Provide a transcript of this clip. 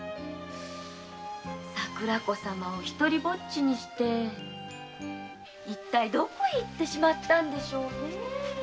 桜子様を独りぼっちにして一体どこへ行ってしまったのでしょうね。